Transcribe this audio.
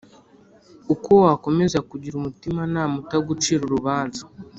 Uko wakomeza kugira umutimanama utagucira urubanza